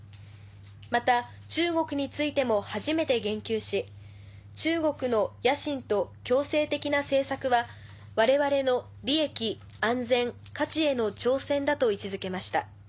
また中国についても初めて言及し中国の野心と強制的な政策は我々の利益安全価値への挑戦だと位置づけました。